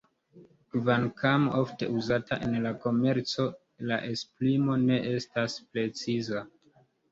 Kvankam ofte uzata en la komerco la esprimo ne estas preciza.